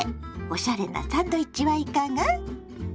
おしゃれなサンドイッチはいかが？